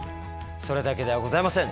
それだけではございません。